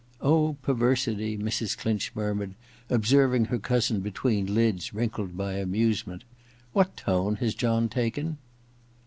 Oh, perversity ' Mrs. Clinch murmured, observing her cousin between lids wrinkled by amusement. * What tone has John taken